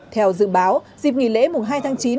theo dự báo dịp nghỉ lễ hai tháng chín